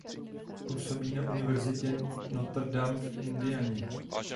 Působí na univerzitě Notre Dame v Indianě.